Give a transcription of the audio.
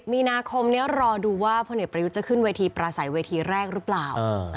มีนาคมนี้รอดูว่าพลเอกประยุทธ์จะขึ้นเวทีประสัยเวทีแรกหรือเปล่า